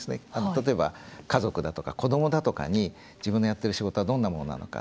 例えば家族だとか子どもだとかに自分のやってる仕事はどんなものなのか。